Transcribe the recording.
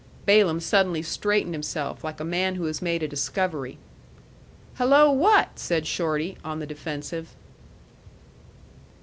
Balaam suddenly straightened himself, like a man who has made a discovery. "Hello, what?" said Shorty, on the defensive.